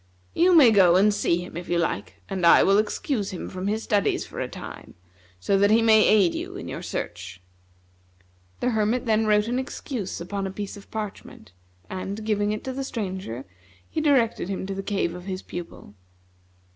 You may go and see him, if you like, and I will excuse him from his studies for a time, so that he may aid you in your search." The Hermit then wrote an excuse upon a piece of parchment, and, giving it to the Stranger, he directed him to the cave of his pupil.